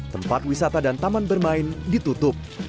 tempat wisata dan taman bermain ditutup